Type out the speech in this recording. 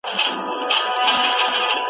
آزمیېلی دی دا اصل په نسلونو .